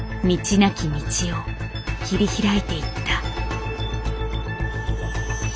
なき道を切り開いていった。